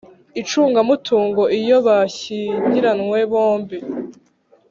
icungamutungo iyo bashyingiranywe bombi.